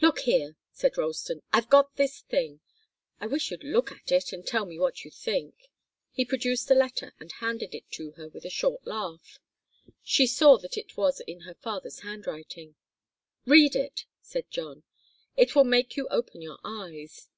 "Look here," said Ralston. "I've got this thing I wish you'd look at it and tell me what you think." He produced a letter and handed it to her, with a short laugh. She saw that it was in her father's handwriting. "Read it," said John. "It will make you open your eyes.